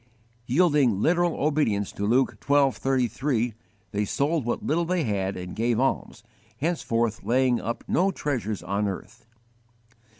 _ Yielding literal obedience to Luke xii. 33, they sold what little they had and gave alms, henceforth laying up no treasures on earth (Matthew vi.